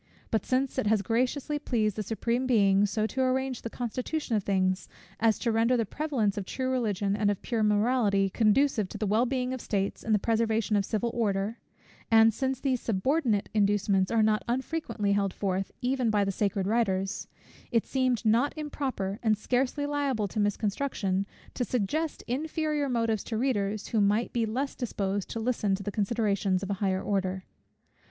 But since it has graciously pleased the Supreme Being so to arrange the constitution of things, as to render the prevalence of true Religion and of pure morality conducive to the well being of states, and the preservation of civil order; and since these subordinate inducements are not unfrequently held forth, even by the sacred writers; it seemed not improper, and scarcely liable to misconstruction, to suggest inferior motives to readers, who might be less disposed to listen to considerations of a higher order.